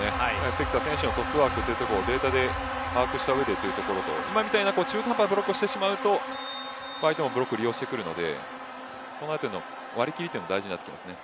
関田選手のトスワークをデータで把握した上で、というところで今みたいな中途半端なブロックをしてしまうと相手もブロックを利用してくるのでこのあたりの割り切りも大事になってきますね。